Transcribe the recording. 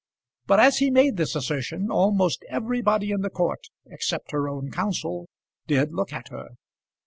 But as he made this assertion, almost everybody in the court except her own counsel did look at her.